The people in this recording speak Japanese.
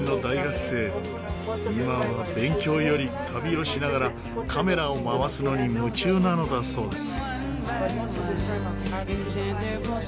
今は勉強より旅をしながらカメラを回すのに夢中なのだそうです。